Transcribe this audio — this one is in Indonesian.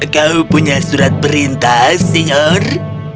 kau punya surat perintah senior